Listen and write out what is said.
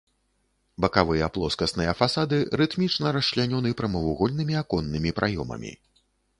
Бакавыя плоскасныя фасады рытмічна расчлянёны прамавугольнымі аконнымі праёмамі.